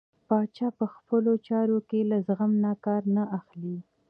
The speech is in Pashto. پاچا په خپلو چارو کې له زغم نه کار نه اخلي .